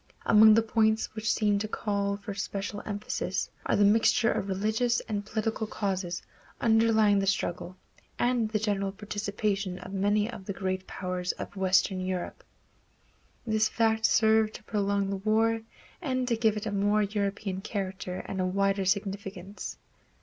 Among the points which seem to call for special emphasis are the mixture of religious and political causes underlying the struggle, and the general participation of many of the great powers of Western Europe. This fact served to prolong the war and to give it a more European character and a wider significance.